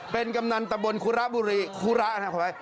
เป็นกำนันตำบลครับบุรีครับเข้าไป